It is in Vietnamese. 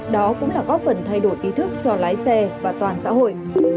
đó cũng là góp phần thay đổi ý thức cho lái xe và toàn xã hội